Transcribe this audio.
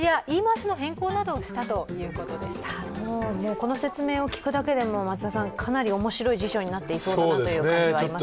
この説明を聞くだけでも、かなり面白い辞書になっていそうだなという感じはありますよね